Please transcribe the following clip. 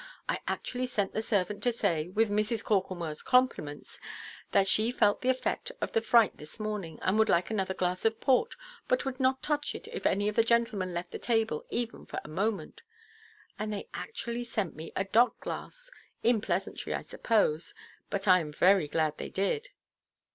I actually sent the servant to say, with Mrs. Corklemoreʼs compliments, that she felt the effect of the fright this morning, and would like another glass of port, but would not touch it if any of the gentlemen left the table even for a moment. And they actually sent me a dock–glass, in pleasantry, I suppose: but I am very glad they did."